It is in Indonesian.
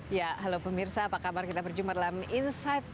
ya halo pemirsa apa kabar kita berjumpa dalam insight